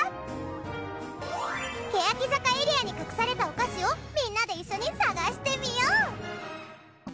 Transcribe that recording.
けやき坂エリアに隠されたお菓子をみんなで一緒に探してみよう！